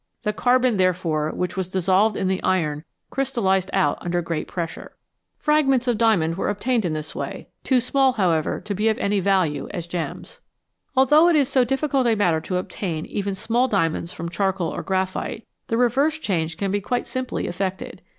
The carbon, therefore, which was dissolved in the iron crystallised out under great pressure. 54 ELEMENTS WITH DOUBLE IDENTITY Fragments of diamond were obtained in this way, too small, however, to be of any value as gems. Although it is so difficult a matter to obtain even very small diamonds from charcoal or graphite, the reverse change can be quite simply effected.